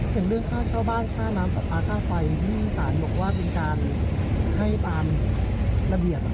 อย่างเรื่องค่าเช่าบ้านค่าน้ำปรับปลาค่าไฟที่ศาลบอกว่าเป็นการให้ตามระเบียบ